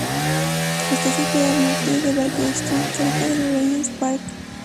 Está situada al Norte de Baker Street, cerca del Regent's Park.